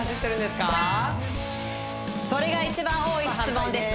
それが一番多い質問です